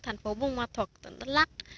thành phố vương hoa thuật tỉnh tết lắc